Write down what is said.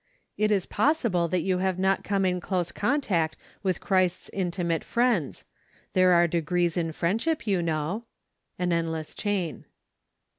It is possible that you have not come in close contact with Christ's intimate friends. There are degrees in friendship, you know. An Endless Chain.